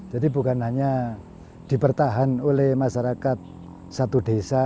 jadi bukan hanya dipertahan oleh masyarakat satu desa